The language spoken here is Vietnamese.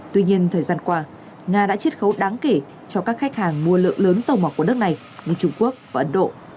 tuy nhiên thời gian qua nga đã chiết khấu đáng kể cho các khách hàng mua lượng lớn dầu mỏ của nước này như trung quốc và ấn độ